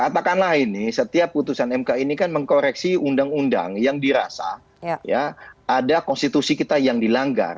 katakanlah ini setiap putusan mk ini kan mengkoreksi undang undang yang dirasa ya ada konstitusi kita yang dilanggar